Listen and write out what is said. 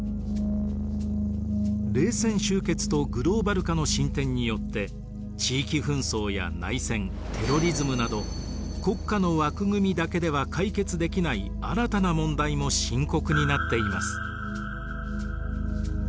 冷戦終結とグローバル化の進展によって地域紛争や内戦テロリズムなど国家の枠組みだけでは解決できない新たな問題も深刻になっています。